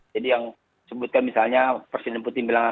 jadi yang sebutkan misalnya presiden putin bilang